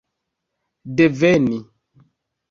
deveni